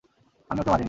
আমি ওকে মারিনি।